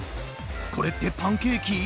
これってパンケーキ？